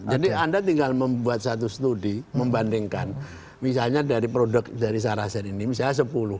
jadi anda tinggal membuat satu studi membandingkan misalnya dari produk dari sarah zain ini misalnya sepuluh